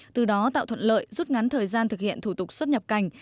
từ đó tạo thuận lợi rút ngắn thời gian thực hiện thủ tục xuất nhập cảnh